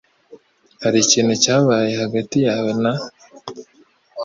Hari ikintu cyabaye hagati yawe na ?